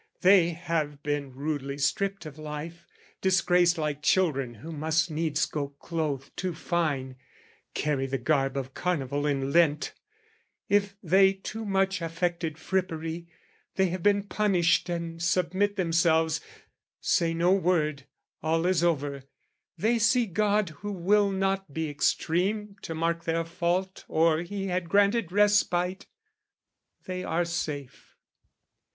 They have been rudely stripped of life, disgraced Like children who must needs go clothed too fine, Carry the garb of Carnival in Lent: If they too much affected frippery, They have been punished and submit themselves, Say no word: all is over, they see God Who will not be extreme to mark their fault Or he had granted respite: they are safe.